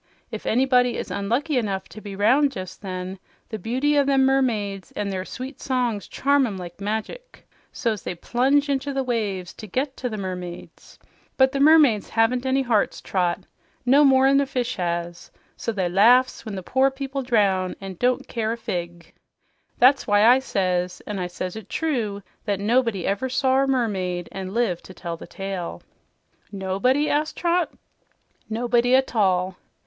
If anybody is unlucky enough to be 'round jes' then, the beauty o' them mermaids an' their sweet songs charm 'em like magic; so's they plunge into the waves to get to the mermaids. But the mermaids haven't any hearts, Trot, no more'n a fish has; so they laughs when the poor people drown an' don't care a fig. That's why I says, an' I says it true, that nobody never sawr a mermaid an' lived to tell the tale." "Nobody?" asked Trot. "Nobody a tall."